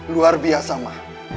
luar biasa ma